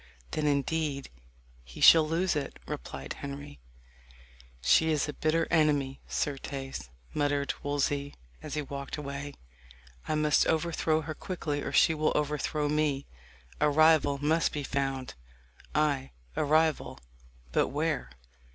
"Then, indeed, he shall lose it," replied Henry. "She is a bitter enemy, certes," muttered Wolsey as he walked away. "I must overthrow her quickly, or she will overthrow me. A rival must be found ay, a rival but where?